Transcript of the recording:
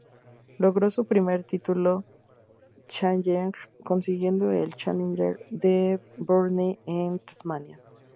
Logró su primer título Challenger, consiguiendo el Challenger de Burnie, en Tasmania.